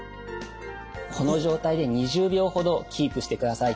この状態で２０秒ほどキープしてください。